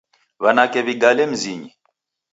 Wanake wigale mzinyi